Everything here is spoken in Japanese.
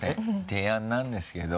提案なんですけど。